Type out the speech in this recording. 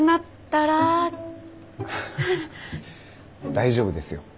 ハハ大丈夫ですよ。